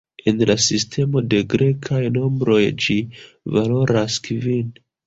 En la sistemo de grekaj nombroj ĝi valoras kvin.